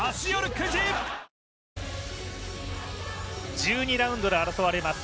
１２ラウンドで争われます